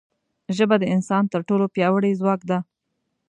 ژبه د انسان تر ټولو پیاوړی ځواک دی